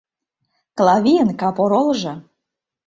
Клавийын кап оролжо!